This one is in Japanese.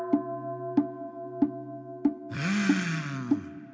うん。